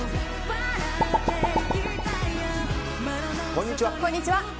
こんにちは。